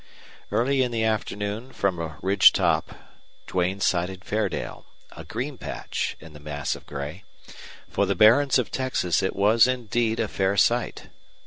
Early in the afternoon from a ridge top Duane sighted Fairdale, a green patch in the mass of gray. For the barrens of Texas it was indeed a fair sight.